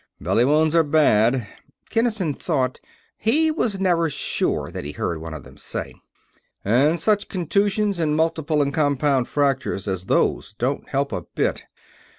"Belly wounds are bad," Kinnison thought he was never sure that he heard one of them say. "And such contusions and multiple and compound fractures as those don't help a bit.